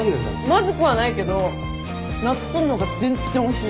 まずくはないけどなっつんの方が全然おいしい。